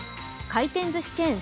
回転ずしチェーン